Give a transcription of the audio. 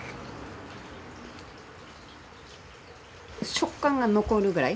食感が残るくらい。